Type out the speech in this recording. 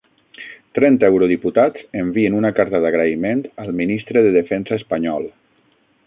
Trenta eurodiputats envien una carta d'agraïment al ministre de Defensa espanyol